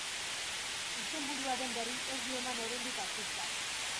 Izenburuaren berri ez du eman oraindik artistak.